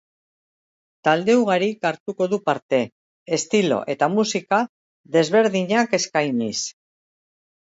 Talde ugarik hartuko du parte, estilo eta musika desberdinakeskainiz.